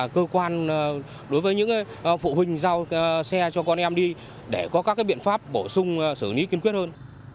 cơ quan đối với những phụ huynh giao xe cho con em đi để có các biện pháp bổ sung xử lý kiên quyết hơn